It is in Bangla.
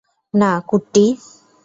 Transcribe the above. না, কুট্টি।